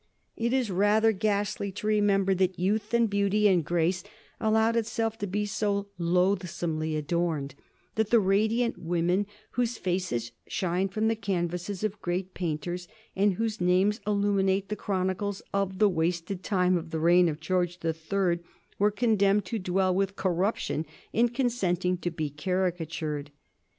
It is rather ghastly to remember that youth and beauty and grace allowed itself to be so loathsomely adorned, that the radiant women whose faces smile from the canvases of great painters, and whose names illuminate the chronicles of the wasted time of the reign of George the Third, were condemned to dwell with corruption in consenting to be caricatured.